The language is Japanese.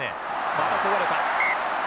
またこぼれた。